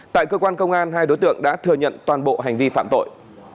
tại cơ quan công an hai đối tượng đã thừa nhận toàn bộ hành vi phạm tội